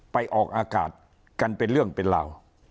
ไปออกอากาศกันเป็นเรื่องเป็นเหล่า